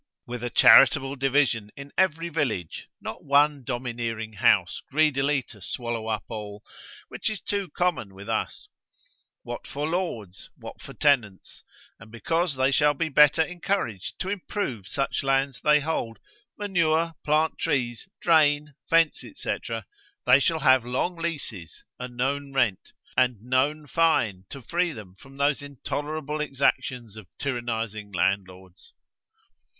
with a charitable division in every village, (not one domineering house greedily to swallow up all, which is too common with us) what for lords, what for tenants; and because they shall be better encouraged to improve such lands they hold, manure, plant trees, drain, fence, &c. they shall have long leases, a known rent, and known fine to free them from those intolerable exactions of tyrannizing landlords.